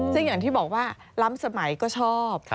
ซึ่งอย่างที่บอกว่าล้ำสมัยก็ชอบ